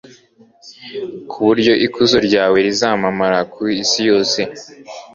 ku buryo ikuzo ryawe rizamamara ku isi yose